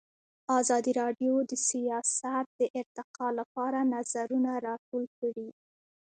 ازادي راډیو د سیاست د ارتقا لپاره نظرونه راټول کړي.